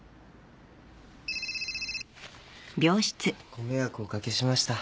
ご迷惑をおかけしました。